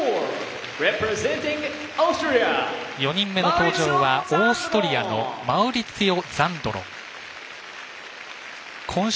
４人目の登場はオーストリアのマウリツィオ・ザンドロン。